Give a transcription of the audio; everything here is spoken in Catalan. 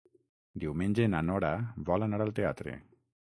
Diumenge na Nora vol anar al teatre.